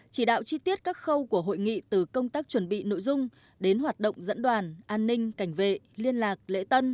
chỉ đạo chi tiết các khâu của hội nghị từ công tác chuẩn bị nội dung đến hoạt động dẫn đoàn an ninh cảnh vệ liên lạc lễ tân